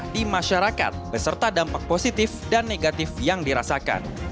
di masyarakat beserta dampak positif dan negatif yang dirasakan